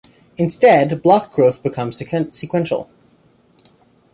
Instead, block growth becomes sequential.